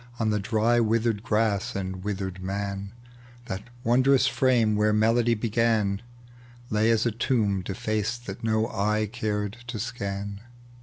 On the dry withered grass and withered man : That wondrous frame where melody began Lay as a tomb defaced that no eye cared to scan.